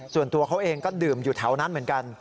ส่วนตัวเขาเองก็ดื่มอยู่แถวนั้นเหมือนกัน